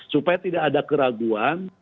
supaya tidak ada keraguan